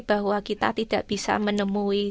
bahwa kita tidak bisa menemui